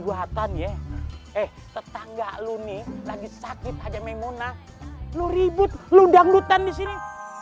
buatan ya eh tetangga lu nih lagi sakit ada mengguna lu ribut lu dangdutan disini